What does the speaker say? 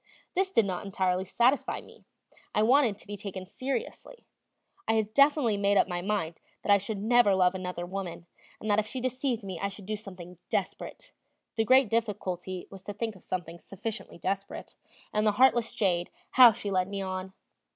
This did not entirely satisfy me; I wanted to be taken seriously. I had definitely made up my mind that I should never love another woman, and that if she deceived me I should do something desperate the great difficulty was to think of something sufficiently desperate and the heartless jade, how she led me on!